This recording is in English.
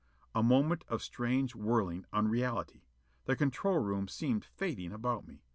A moment of strange whirling unreality. The control room seemed fading about me.